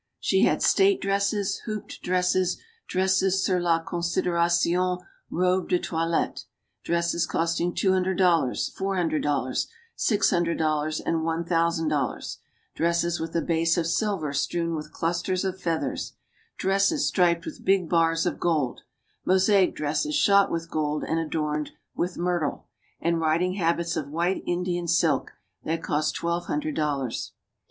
She had "state dresses, hooped dresses, dresses sur la consideration, robes de toilette;" dresses costing two hundred dollars, four hundred dollars, six hundred dollars, and one thousand dollars; dresses with a base of silver strewn with clusters of feathers; dresses striped with big bars of gold; mosaic dresses shot with gold and adorned with myrtle; and riding habits of white Indian silk that cost twelve hundred dollars.